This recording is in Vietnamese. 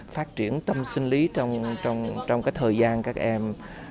phát triển tâm sinh lý trong thời gian các em